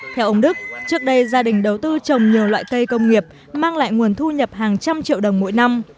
theo ông đức trước đây gia đình đầu tư trồng nhiều loại cây công nghiệp mang lại nguồn thu nhập hàng trăm triệu đồng mỗi năm